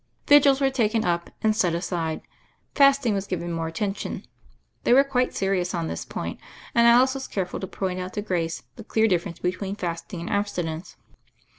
Vigils were taken up, and set aside; fasting was given more attention. They were quite serious on this point, and Alice was careful to point out to Grace the clear difference between fasting and abstinence.